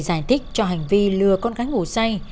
giải thích cho hành vi lừa con gái ngủ say